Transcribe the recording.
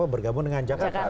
bergabung dengan jakarta